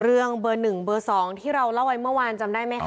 เรื่องเบอร์๑เบอร์๒ที่เราเล่าไว้เมื่อวานจำได้ไหมคะ